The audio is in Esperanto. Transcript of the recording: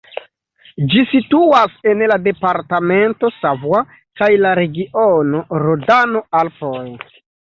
Ĝi situas en la departamento Savoie kaj la regiono Rodano-Alpoj.